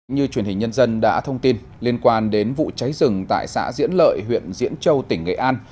như truyền hình nhân dân đã thông tin liên quan đến vụ cháy rừng tại xã diễn lợi huyện diễn châu tỉnh nghệ an